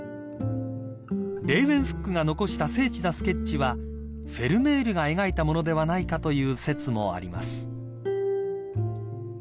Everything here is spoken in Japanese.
［レーウェンフックが残した精緻なスケッチはフェルメールが描いたものではないかという説もあります］